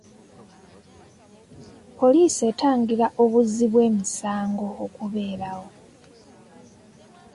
Poliisi etangira obuzzi bw'emisango okubeerawo.